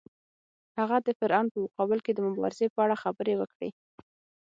هغه د فرعون په مقابل کې د مبارزې په اړه خبرې وکړې.